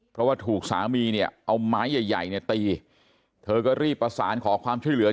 เพราะว่าถูกสามีเนี่ยเอาไม้ใหญ่ใหญ่เนี่ยตีเธอก็รีบประสานขอความช่วยเหลือ